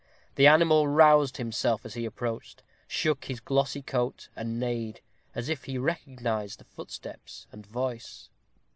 The animal roused himself as he approached, shook his glossy coat, and neighed, as if he recognized the footsteps and voice.